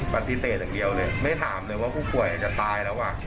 ประสิทธิ์สักเดียวเลยไม่ถามเลยว่าผู้ป่วยจะตายแล้ว